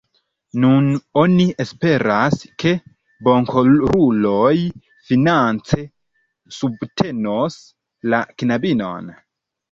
Nun oni esperas, ke bonkoruloj finance subtenos la knabinon.